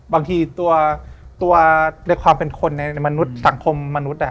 บางทีตัวในความเป็นคนในมนุษย์สังคมมนุษย์